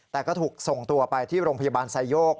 แต่ก็ถูกส่งตัวไปที่โรงพยาบาลไซโยก